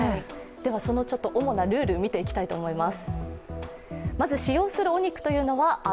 その主なルール見ていきたいと思います。